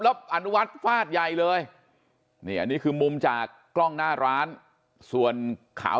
แล้วอนุวัฒน์ฟาดใหญ่เลยนี่อันนี้คือมุมจากกล้องหน้าร้านส่วนขาว